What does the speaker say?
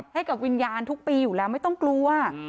ให้กับวิญญาณทุกปีอยู่แล้วไม่ต้องกลัว